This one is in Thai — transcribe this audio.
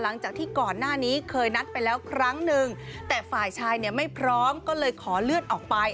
หลังจากที่ก่อนหน้านี้เคยนัดไปแล้วครั้งนึงแต่ฝ่ายชายเนี่ยไม่พร้อมก็เลยขอเลื่อนออกไป